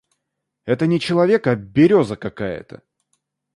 Это не человек а берёза какая то!